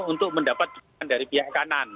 untuk mendapat dukungan dari pihak kanan